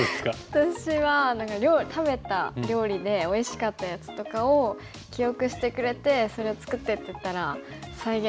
私は食べた料理でおいしかったやつとかを記憶してくれてそれを作ってってたら再現してくれたりとかあったら。